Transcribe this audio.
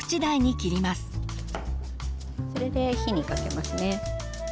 それで火にかけますね。